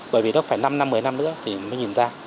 bởi vì nó phải năm năm một mươi năm nữa thì mới nhìn ra